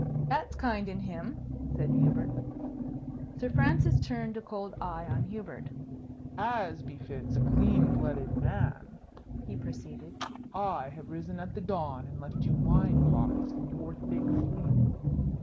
"That's kind in him," said Hubert. Sir Francis turned a cold eye on Hubert. "As befits a clean blooded man," he proceeded, "I have risen at the dawn and left you wine pots in your thick sleep.